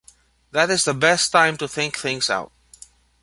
That is the best time to think things out.